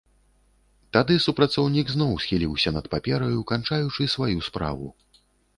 Тады супрацоўнік зноў схіліўся над папераю, канчаючы сваю справу.